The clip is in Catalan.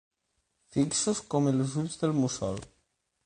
Fixos com els ulls del mussol.